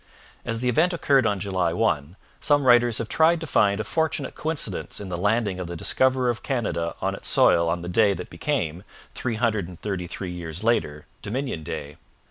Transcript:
As the event occurred on July 1, some writers have tried to find a fortunate coincidence in the landing of the discoverer of Canada on its soil on the day that became, three hundred and thirty three years later, Dominion Day.